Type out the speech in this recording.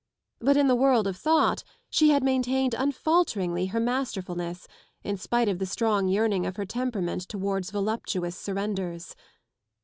But in the world of thought she had maintained unfalteringly her masterfulness in spite of the strong yearning of her temperament towards voluptuous surrenders.